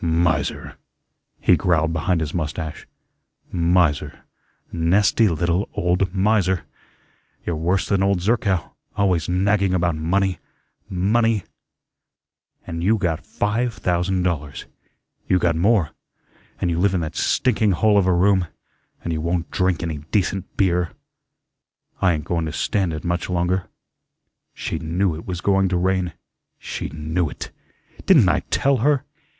"Miser," he growled behind his mustache. "Miser, nasty little old miser. You're worse than old Zerkow, always nagging about money, money, and you got five thousand dollars. You got more, an' you live in that stinking hole of a room, and you won't drink any decent beer. I ain't going to stand it much longer. She knew it was going to rain. She KNEW it. Didn't I TELL her?